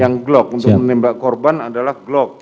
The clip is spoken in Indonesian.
yang glock untuk menembak korban adalah glock